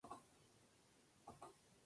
Se encuentra en Etiopía, Kenia y Uganda.